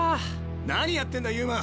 何やってんだ遊馬！